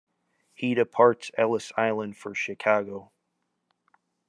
He departs Ellis Island for Chicago.